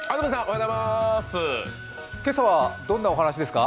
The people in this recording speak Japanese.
今朝はどんなお話ですか？